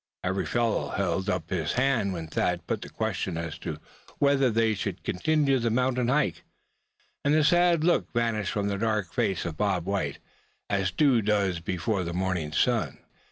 Every fellow held up his hand when Thad put the question as to whether they should continue the mountain hike. And the sad look vanished from the dark face of Bob White, as dew does before the morning sun.